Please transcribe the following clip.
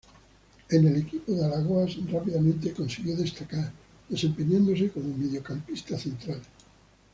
En el equipo de Alagoas rápidamente consiguió destacar, desempeñándose como mediocampista central.